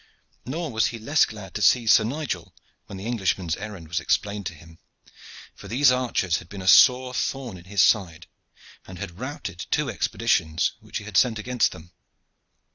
Nor was he less glad to see Sir Nigel, when the Englishman's errand was explained to him, for these archers had been a sore thorn in his side and had routed two expeditions which he had sent against them.